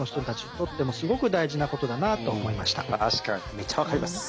むっちゃ分かります。